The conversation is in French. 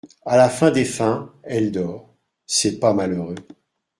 À la fin des fins, elle dort… c’est pas malheureux !…